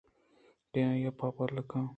کہ آئیءَبِہ پلکّاں